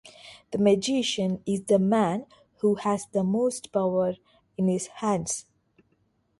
The magician is the man who has the most power in his hands.